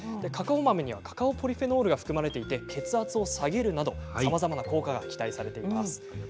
カカオ豆にはカカオポリフェノールが含まれていて血圧を下げるなどさまざまな効果が期待されています。